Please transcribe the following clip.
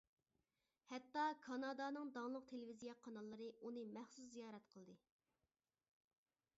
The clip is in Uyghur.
ھەتتا كانادانىڭ داڭلىق تېلېۋىزىيە قاناللىرى ئۇنى مەخسۇس زىيارەت قىلدى.